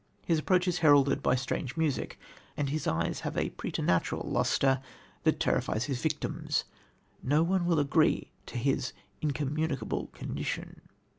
His approach is heralded by strange music, and his eyes have a preternatural lustre that terrifies his victims. No one will agree to his "incommunicable condition."